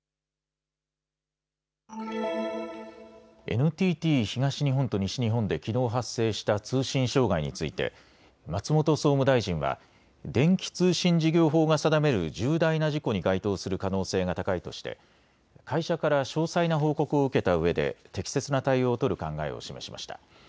ＮＴＴ東日本と西日本できのう発生した通信障害について松本総務大臣は電気通信事業法が定める重大な事故に該当する可能性が高いとして会社から詳細な報告を受けたうえで適切な対応を取る考えを示しました。